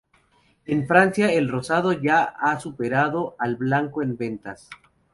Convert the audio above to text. En Francia el rosado ya ha superado al blanco en ventas.